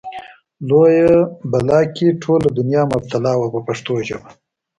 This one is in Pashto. لویه بلا کې ټوله دنیا مبتلا وه په پښتو ژبه.